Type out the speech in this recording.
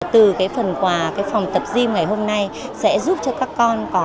từ phần quà phòng tập gym ngày hôm nay sẽ giúp cho các con có